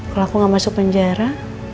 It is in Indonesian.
kalau aku gak masuk penjara